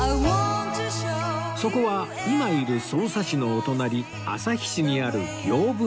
そこは今いる匝瑳市のお隣旭市にある刑部岬